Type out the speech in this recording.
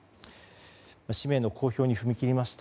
氏名の公表に踏み切りました。